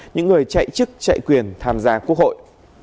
những người chạy chức chạy quyền tham gia quốc hội